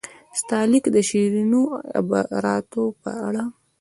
ستا لیک د شیرینو عباراتو په اړه.